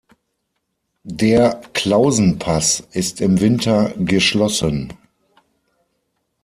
Der Klausenpass ist im Winter geschlossen.